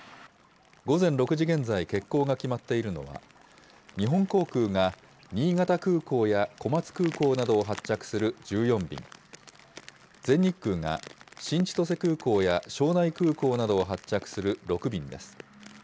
午前６時現在、欠航が決まっているのは、日本航空が新潟空港や小松空港などを発着する１４便、全日空が新千歳空港や庄内空港などを発着する６便です。